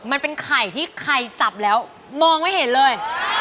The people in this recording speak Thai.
มันเป็นไข่ที่ไข่จับแล้วมองไม่เห็นเลย